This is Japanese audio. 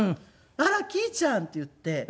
「あらきぃちゃん」って言って。